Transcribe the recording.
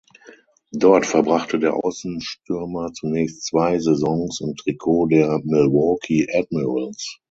Dort verbrachte der Außenstürmer zunächst zwei Saisons im Trikot der Milwaukee Admirals.